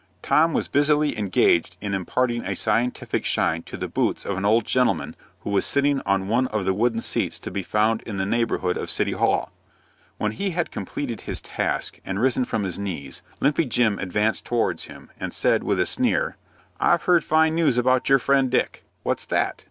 Tom was busily engaged in imparting a scientific shine to the boots of an old gentleman who was sitting on one of the wooden seats to be found in the neighborhood of the City Hall. When he had completed his task, and risen from his knees, Limpy Jim advanced towards him, and said, with a sneer, "I've heard fine news about your friend Dick." "What's that?"